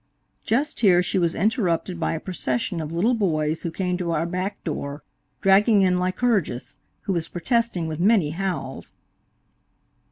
Just here she was interrupted by a procession of little boys who came to our back door dragging in Lycurgus, who was protesting with many howls.